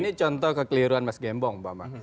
ini contoh kekeliruan mas gembong pak mak